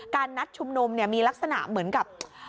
นัดชุมนุมมีลักษณะเหมือนกับ